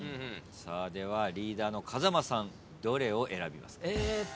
ではリーダーの風間さんどれを選びますか？